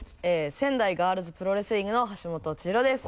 「センダイガールズプロレスリング」の橋本千紘です。